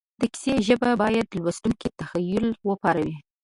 د کیسې ژبه باید د لوستونکي تخیل وپاروي